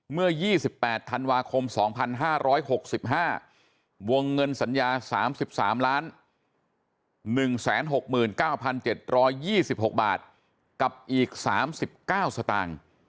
เมื่อ๒๘ธันวาคม๒๕๖๕วงเงินสัญญา๓๓๑๖๙๗๒๖บาทกับอีก๓๙สตางค์